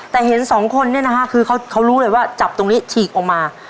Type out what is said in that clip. แต่เห็นสองคนเนี่ยนะฮะคือเขารู้เลยว่าจับตรงนี้ฉีกออกมา